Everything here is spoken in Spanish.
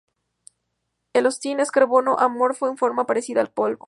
El hollín es carbono amorfo en forma parecida al polvo.